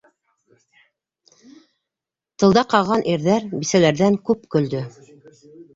Тылда ҡаған ирҙәр бисәләрҙән күп көлдө!